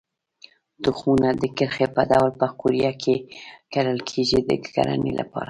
تخمونه د کرښې په ډول په قوریه کې کرل کېږي د کرنې لپاره.